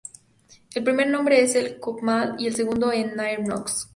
El primer nombre es en Bokmål y el segundo en Nynorsk.